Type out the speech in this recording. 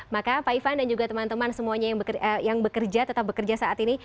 maka pak ivan dan juga teman teman semuanya yang bekerja tetap bekerja saat ini